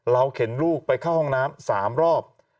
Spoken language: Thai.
เข็นลูกไปเข้าห้องน้ำ๓รอบ